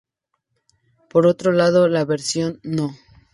Por otro lado, La versión No.